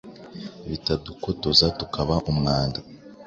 Bitadutokoza tukaba umwanda